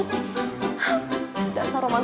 hah dasar roman